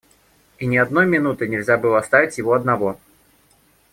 И ни одной минуты нельзя было оставить его одного.